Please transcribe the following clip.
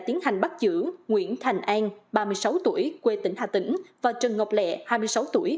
tiến hành bắt giữ nguyễn thành an ba mươi sáu tuổi quê tỉnh hà tĩnh và trần ngọc lẹ hai mươi sáu tuổi